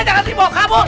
jangan dibawa kabur